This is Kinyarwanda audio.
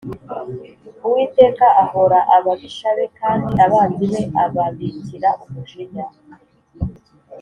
Uwiteka ahōra ababisha be kandi abanzi be ababikira umujinya